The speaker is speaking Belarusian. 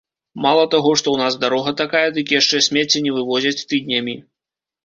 Мала таго, што ў нас дарога такая, дык яшчэ смецце не вывозяць тыднямі.